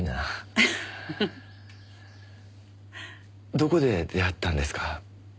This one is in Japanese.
どこで出会ったんですか？